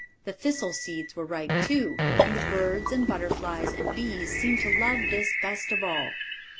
The thistle seeds were ripe too; and the birds, and butterflies, and bees seemed to love this best of all.